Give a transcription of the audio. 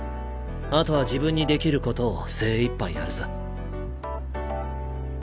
あとは自分にできることを精いっぱいやるさ。